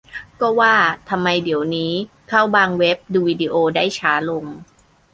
- ก็ว่าทำไมเดี๋ยวนี้เข้าบางเว็บ ดูวีดีโอได้ช้าลง